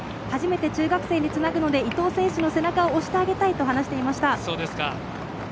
初めて中学生につなぐので伊藤選手の背中を押してあげたいと話していました。